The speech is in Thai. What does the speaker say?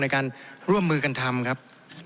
ในการร่วมมือกันทำครับ